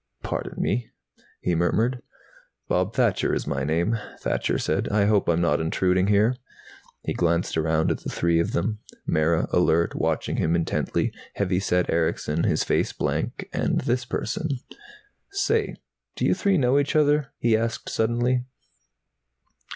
"Pardon me," he murmured. "Bob Thacher is my name," Thacher said. "I hope I'm not intruding here." He glanced around at the three of them, Mara, alert, watching him intently, heavy set Erickson, his face blank, and this person. "Say, do you three know each other?" he asked suddenly.